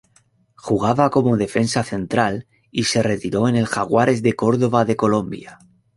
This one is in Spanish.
Jugaba como defensa central y se retiró en el Jaguares de Córdoba de Colombia.